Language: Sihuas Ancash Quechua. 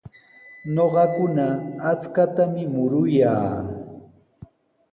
Ñuqakuna achkatami muruyaa.